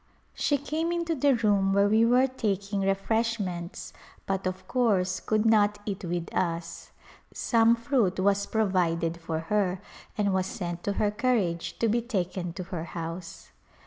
She came into the room where we were taking refresh ments but, of course, could not eat with us. Some fruit was provided for her and was sent to her carriage to be taken to her house.